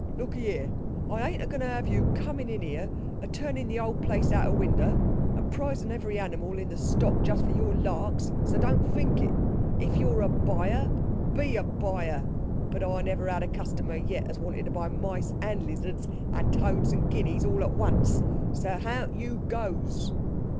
"Lookee here. I ain't agoin' to have you a comin' in here a turnin' the whole place outer winder, an' prizing every animile in the stock just for your larks, so don't think it! If you're a buyer, be a buyer—but I never had a customer yet as wanted to buy mice, and lizards, and toads, and guineas all at once. So hout you goes."